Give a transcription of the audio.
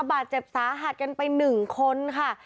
บาดเจ็บสาหัสกันไป๑คนค่ะ